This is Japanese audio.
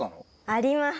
あります！